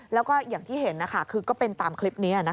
แล้วก็อย่างที่เห็นคือก็เป็นตามคลิปนี้